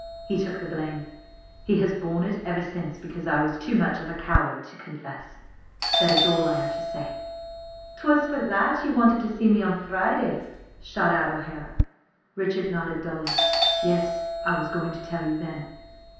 He took the blame. He has borne it ever since because I was too much a coward to confess. That is all I have to say." "'Twas for that ye wanted to see me on Friday?" shot out O'Hara. Richard nodded, dully. "Yes, I was going to tell you then."